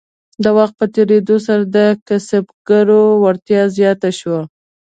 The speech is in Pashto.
د وخت په تیریدو سره د کسبګرو وړتیا زیاته شوه.